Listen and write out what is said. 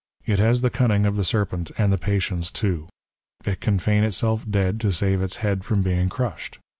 It has the cunning of the serpent, and the patience too. It can feign itself dead to save its head from being crushed.